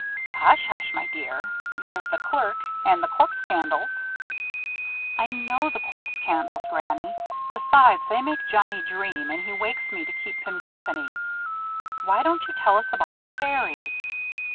"Hush! hush! my dear. There's the Clerk and the Corpse candles." "I know the Corpse candles, Granny. Besides, they make Johnnie dream, and he wakes me to keep him company. Why won't you tell us about the Fairies?"